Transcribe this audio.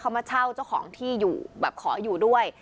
เขามาเช่าเจ้าของที่อยู่แบบขออยู่ด้วย